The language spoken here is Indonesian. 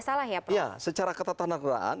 salah ya pak ya secara kata kata negaraan